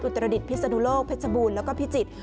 ตรดิษฐพิศนุโลกเพชรบูรณ์แล้วก็พิจิตร